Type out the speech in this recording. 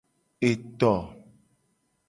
Eto.